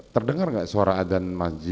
terdengar gak suara adan